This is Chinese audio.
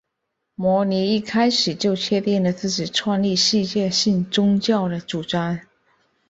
摩尼一开始就确定了自己创立世界性宗教的主张。